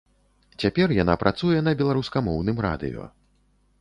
Цяпер яна працуе на беларускамоўным радыё.